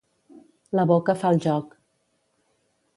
La boca fa el joc.